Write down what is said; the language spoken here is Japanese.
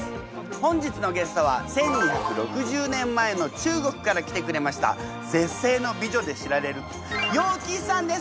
本日のゲストは１，２６０年前の中国から来てくれました絶世の美女で知られる楊貴妃さんです！